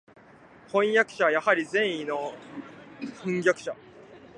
飜訳者はやはり善意の（まさか悪意のではあるまい）叛逆者